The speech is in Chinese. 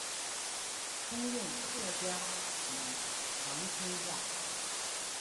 通用客家语长汀话。